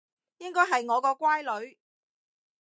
應該係我個乖女